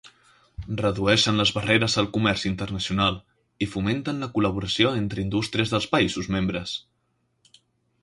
Redueixen les barreres al comerç internacional i fomenten la col·laboració entre indústries dels països membres.